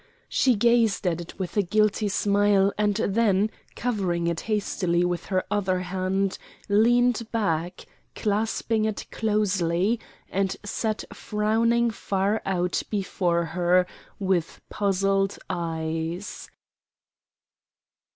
She gazed at it with a guilty smile and then, covering it hastily with her other hand, leaned back, clasping it closely, and sat frowning far out before her with puzzled eyes.